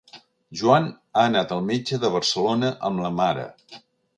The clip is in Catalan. Joan ha anat al metge de Barcelona amb la mare.